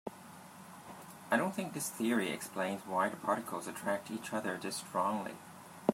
I don't think this theory explains why the particles attract each other this strongly.